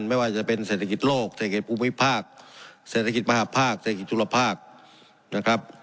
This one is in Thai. ไม่ว่าจะเป็นเศรษฐกิจโลกเศรษฐกิจภูมิภาคเศรษฐกิจมหาภาคเศรษฐกิจธุรภาคนะครับ